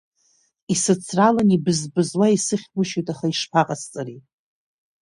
Исыцралан, ибызбызуа исыхьгәышьоит, аха ишԥаҟасҵари?